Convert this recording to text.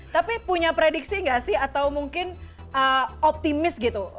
tapi punya prediksi nggak sih atau mungkin optimis gitu